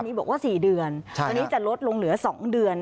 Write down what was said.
นี่บอกว่า๔เดือนวันนี้จะลดลงเหลือ๒เดือน